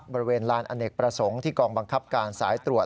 บริเวณลานอเนกประสงค์ที่กองบังคับการสายตรวจ